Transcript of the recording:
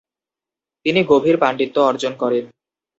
তিনি গভীর পাণ্ডিত্য অর্জন করেন।